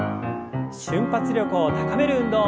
瞬発力を高める運動。